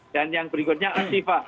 dan yang berikutnya at tifah